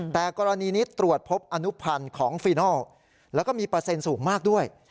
แต่กรณีนี้ตรวจพบอนุพันธ์ของฟีนอลแล้วก็มีเปอร์เซ็นต์สูงมากด้วย